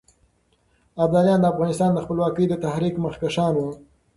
ابداليان د افغانستان د خپلواکۍ د تحريک مخکښان وو.